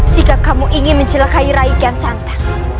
jika kamu ingin mencelakai rakyat santang